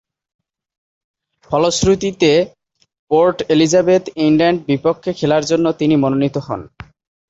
ফলশ্রুতিতে, পোর্ট এলিজাবেথে ইংল্যান্ডের বিপক্ষে খেলার জন্যে তিনি মনোনীত হন।